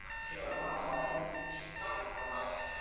贝尔太空船悖论为狭义相对论中的一项思考实验。